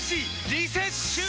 リセッシュー！